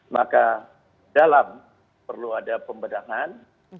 maka dalam perlu ada pembedahan